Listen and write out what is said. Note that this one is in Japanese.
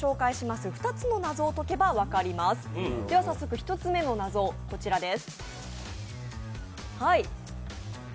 １つ目の謎はこちらです。